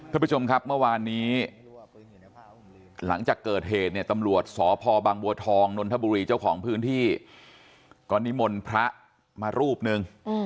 ท่านผู้ชมครับเมื่อวานนี้หลังจากเกิดเหตุเนี่ยตำรวจสพบังบัวทองนนทบุรีเจ้าของพื้นที่ก็นิมนต์พระมารูปหนึ่ง